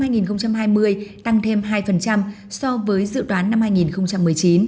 vì vậy các địa phương có thể tăng hai so với dự toán năm hai nghìn một mươi chín